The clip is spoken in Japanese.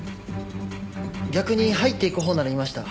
逆に入っていくほうならいました。